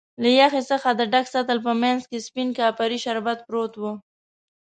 له یخی څخه د ډک سطل په مینځ کې سپین کاپري شربت پروت و.